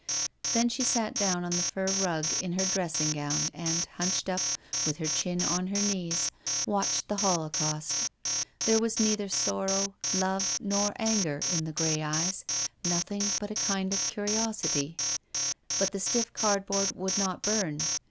Then she sat down on the fur rug, in her dressing gown, and hunched up, with her chin on her knees, watched the holocaust. There was neither sorrow, love, nor anger in the grey eyes, nothing but a kind of callous curiosity. But the stiff cardboard would not burn.